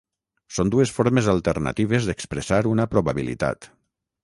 Són dues formes alternatives d'expressar una probabilitat.